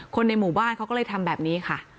ในหมู่บ้านเขาก็เลยทำแบบนี้ค่ะ